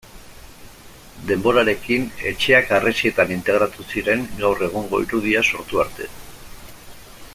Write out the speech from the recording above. Denborarekin etxeak harresietan integratu ziren gaur egungo irudia sortu arte.